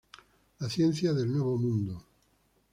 La ciencia del nuevo mundo.